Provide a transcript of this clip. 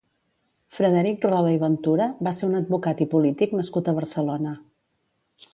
Frederic Roda i Ventura va ser un advocat i polític nascut a Barcelona.